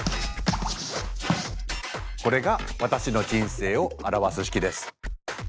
これが私の人生を表す式です。